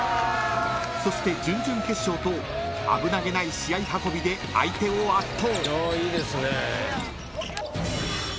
［そして準々決勝と危なげない試合運びで相手を圧倒］